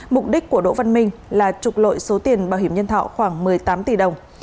mục đích của đỗ văn minh là trục lội số tiền bảo hiểm nhân thọ khoảng một mươi tám tỷ đồng